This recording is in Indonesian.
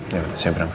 ya saya berangkat